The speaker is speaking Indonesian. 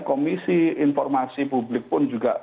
komisi informasi publik pun juga